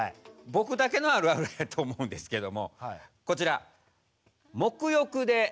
僕だけのあるあるやと思うんですけどもこちら。